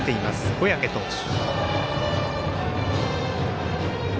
小宅投手。